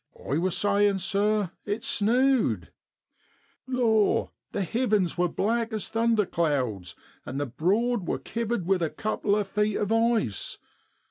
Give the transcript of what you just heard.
4 1 wor sayin', sir, it snewed. Law ! the hivens wor black as thunder clouds, and the Broad wor kivered with a couple o' feet of ice.